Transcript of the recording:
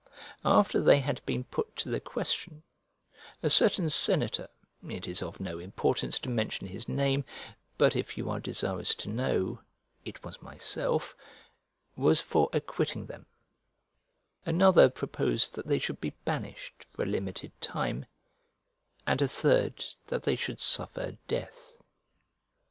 After they had been put to the question, a certain senator (it is of no importance to mention his name, but if you are desirous to know, it was myself) was for acquitting them; another proposed that they should be banished for a limited time; and a third that they should suffer death.